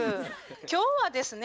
今日はですね